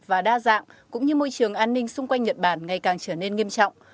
và đa dạng cũng như môi trường an ninh xung quanh nhật bản ngày càng trở nên nghiêm trọng